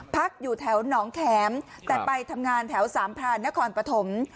พักอยู่แถวหนองแขมแต่ไปทำงานแถวสามพรานนครปฐม